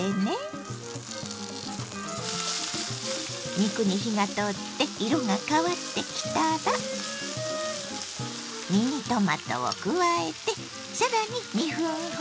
肉に火が通って色が変わってきたらミニトマトを加えて更に２分ほど炒めます。